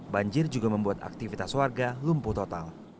banjir juga membuat aktivitas warga lumpuh total